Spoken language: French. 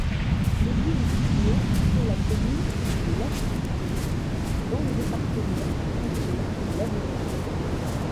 L'église est située sur la commune de Lassouts, dans le département français de l'Aveyron.